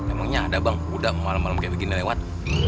emang nyada bang kuda malem malem kayak begini lewat